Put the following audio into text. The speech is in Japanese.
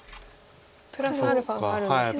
プラスアルファがあるんですね。